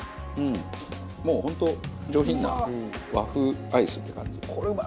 もう本当上品な和風アイスって感じ。